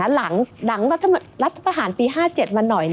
หลังรัฐประหารปี๕๗มาหน่อย